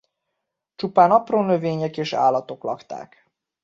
Csupán apró növények és állatok lakták.